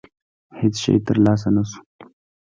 هېڅ شی ترلاسه نه شو.